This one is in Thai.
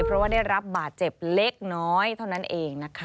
เพราะว่าได้รับบาดเจ็บเล็กน้อยเท่านั้นเองนะคะ